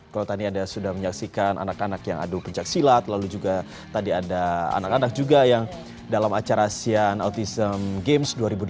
kalau tadi ada sudah menyaksikan anak anak yang adu pencaksilat lalu juga tadi ada anak anak juga yang dalam acara asean autism games dua ribu delapan belas